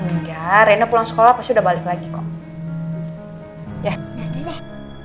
nggak rena pulang sekolah pasti udah balik lagi kok